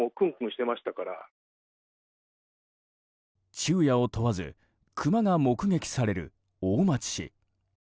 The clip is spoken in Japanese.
昼夜を問わずクマが目撃される大町市。